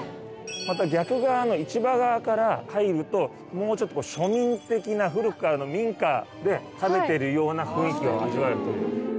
また逆側の市場側から入るともうちょっと庶民的な古くからの民家で食べてるような雰囲気を味わえるという。